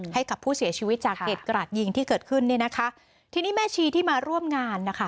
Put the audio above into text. ให้กับผู้เสียชีวิตจากเหตุกราดยิงที่เกิดขึ้นเนี่ยนะคะทีนี้แม่ชีที่มาร่วมงานนะคะ